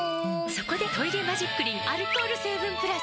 そこで「トイレマジックリン」アルコール成分プラス！